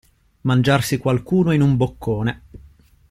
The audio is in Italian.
Mangiarsi qualcuno in un boccone.